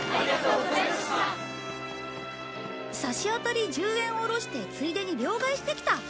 差し当たり１０円下ろしてついでに両替してきた。